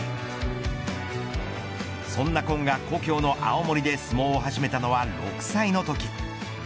そんな今が故郷の青森で相撲を始めたのは６歳のとき。